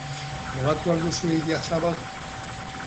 Probatu al duzue Idiazabal?